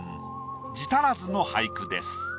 字足らずの俳句です。